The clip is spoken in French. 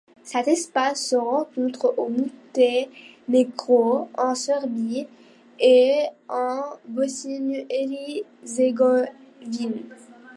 Cette espèce se rencontre au Monténégro, en Serbie et en Bosnie-Herzégovine.